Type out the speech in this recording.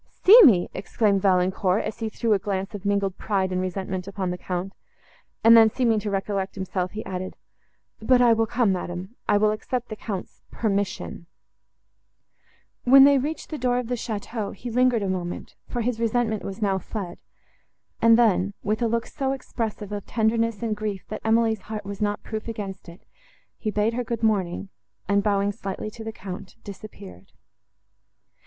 "See me!" exclaimed Valancourt, as he threw a glance of mingled pride and resentment upon the Count; and then, seeming to recollect himself, he added—"But I will come, madam; I will accept the Count's permission." When they reached the door of the château, he lingered a moment, for his resentment was now fled; and then, with a look so expressive of tenderness and grief, that Emily's heart was not proof against it, he bade her good morning, and, bowing slightly to the Count, disappeared.